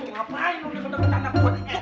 udah kena ketanak gue